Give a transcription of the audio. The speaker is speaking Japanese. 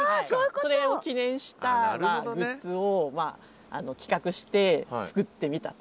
それを記念したグッズを企画して作ってみたと。